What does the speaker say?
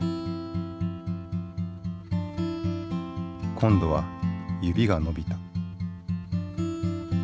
今度は指が伸びた。